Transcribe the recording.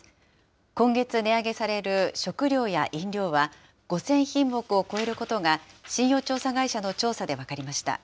今月値上げされる食料や飲料は、５０００品目を超えることが、信用調査会社の調査で分かりました。